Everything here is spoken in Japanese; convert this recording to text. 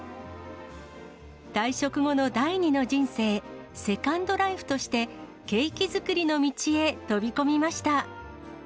退職後の第二の人生、セカンドライフとして、ケーキ作りの道へ飛び込みました。